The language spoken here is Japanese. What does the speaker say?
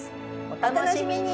お楽しみに！